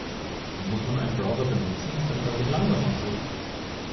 Wie muss man einen Browser benutzen, damit er sich langsam anfühlt?